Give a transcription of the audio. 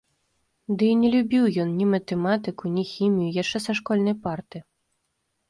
Ды і не любіў ён ні матэматыку, ні хімію яшчэ са школьнай парты.